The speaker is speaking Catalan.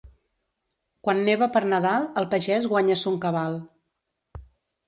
Quan neva per Nadal el pagès guanya son cabal.